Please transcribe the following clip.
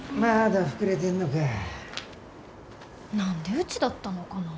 何でうちだったのかな。